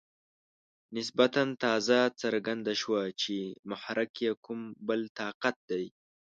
نسبتاً تازه څرګنده شوه چې محرک یې کوم بل طاقت دی.